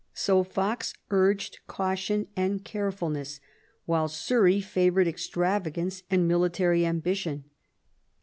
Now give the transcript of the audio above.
So Fox urged caution and carefulness, while Surrey favoured extravagance and military ambition.